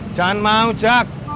jangan mau jack